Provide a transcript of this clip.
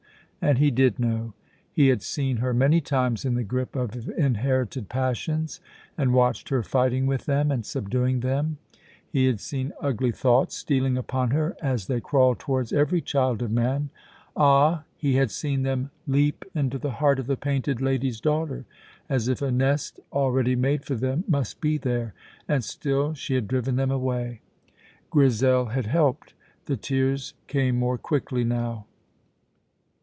And He did know: He had seen her many times in the grip of inherited passions, and watched her fighting with them and subduing them; He had seen ugly thoughts stealing upon her, as they crawl towards every child of man; ah, He had seen them leap into the heart of the Painted Lady's daughter, as if a nest already made for them must be there, and still she had driven them away. Grizel had helped. The tears came more quickly now.